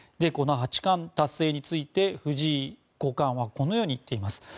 この八冠達成について藤井五冠はこのように言っています。